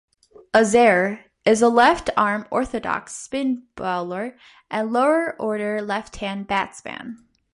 Uzair is a left-arm orthodox spin bowler and lower-order left-handed batsman.